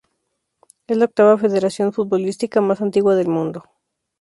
Es la octava federación futbolística más antigua del mundo.